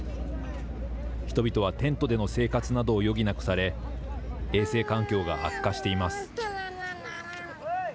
人々はテントでの生活などを余儀なくされ、衛生環境が悪化しています。